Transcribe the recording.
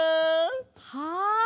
はい！